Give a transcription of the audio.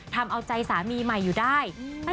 ทำเอาใจสามีใหม่อยู่ได้